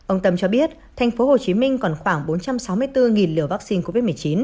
ông tâm cho biết tp hcm còn khoảng bốn trăm sáu mươi bốn liều vaccine covid một mươi chín